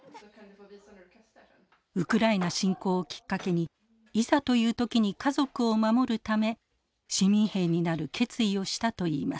ウクライナ侵攻をきっかけにいざという時に家族を守るため市民兵になる決意をしたといいます。